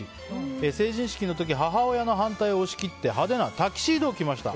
成人式の時母親の反対を押し切って派手なタキシードを着ました。